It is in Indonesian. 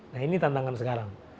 nah ini tantangan sekarang